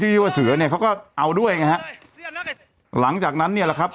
ชื่อว่าเสือเนี่ยเขาก็เอาด้วยไงฮะหลังจากนั้นเนี่ยแหละครับ